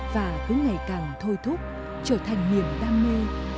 và cũng ngày càng thôi thúc trở thành niềm đam mê